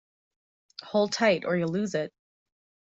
Hold tight, or you'll lose it!